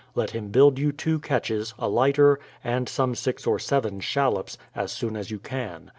Let him build you two catches, a lighter, and some six or seven shallops, as soon as you can.